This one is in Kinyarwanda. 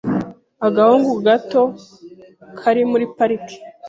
Agahungu gato kari muri pariki.